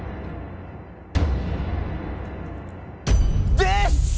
です！